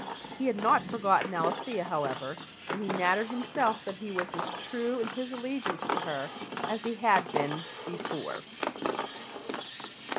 He had not forgotten Alethea, however, and he nattered himself that he was as true in his allegiance to her as he had been before.